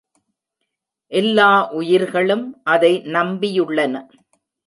எல்லா உயிர்களும் அதை நம்பியுள்ளன.